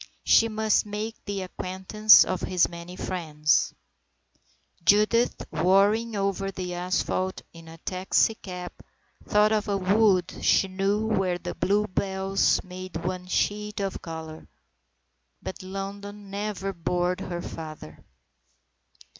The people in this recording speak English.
She must make the acquaintance of his many friends. Judith whirring over the asphalt, in a taxi cab, thought of a wood she knew where the bluebells made one sheet of colour. But London never bored her father.